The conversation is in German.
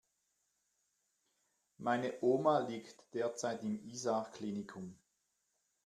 Meine Oma liegt derzeit im Isar Klinikum.